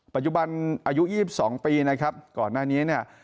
ปัจจุบันอายุ๒๒ปีนะครับก่อนหน้านี้เนี่ย